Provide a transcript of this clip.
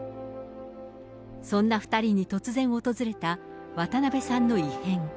そんな２人に突然訪れた渡辺さんの異変。